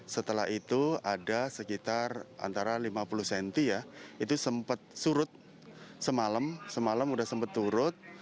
setelah itu ada sekitar antara lima puluh cm ya itu sempat surut semalam semalam sudah sempat turut